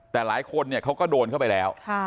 แต่หลายคนเนี่ยเขาก็โดนเข้าไปแล้ว